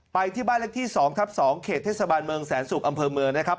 ไปที่บ้านเลขที่๒ทับ๒เขตเทศบาลเมืองแสนสุกอำเภอเมืองนะครับ